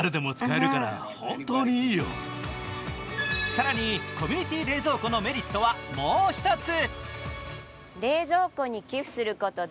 更に、コミュニティー冷蔵庫のメリットは、もう１つ。